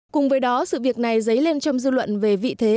cùng với đó sự việc này dấy lên trong dư luận về vị thế